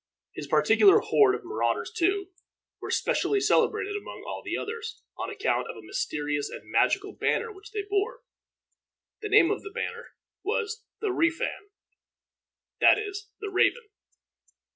His particular horde of marauders, too, was specially celebrated among all the others, on account of a mysterious and magical banner which they bore. The name of this banner was the Reafan, that is, the Raven.